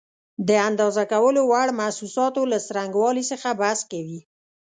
د اندازه کولو وړ محسوساتو له څرنګوالي څخه بحث کوي.